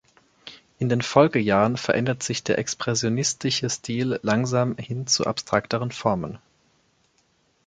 In den Folgejahren verändert sich der expressionistische Stil langsam hin zu abstrakteren Formen.